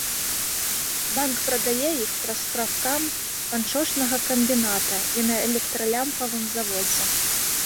Банк прадае іх праз прафкам панчошнага камбіната і на электралямпавым заводзе.